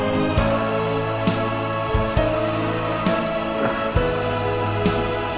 tidak ada yang cara